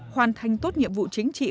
hoàn thành tốt nhiệm vụ chính trị